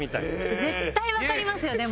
絶対わかりますよでも。